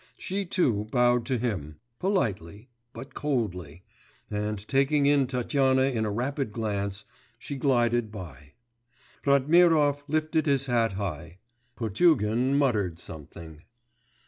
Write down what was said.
She too bowed to him, politely, but coldly, and taking in Tatyana in a rapid glance, she glided by.... Ratmirov lifted his hat high, Potugin muttered something.